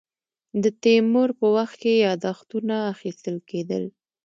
د تیمور په وخت کې یاداښتونه اخیستل کېدل.